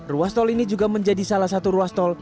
ruas tol ini juga menjadi salah satu ruas tol